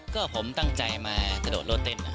ก็ผมตั้งใจมากระโดดโลดเต้น